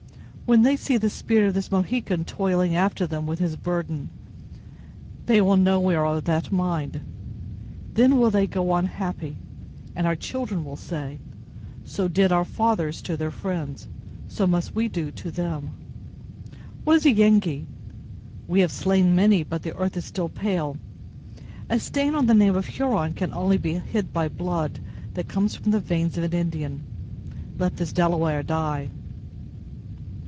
When they see the spirit of this Mohican toiling after them with his burden, they will know we are of that mind. Then will they go on happy; and our children will say, 'So did our fathers to their friends, so must we do to them.' What is a Yengee? we have slain many, but the earth is still pale. A stain on the name of Huron can only be hid by blood that comes from the veins of an Indian. Let this Delaware die."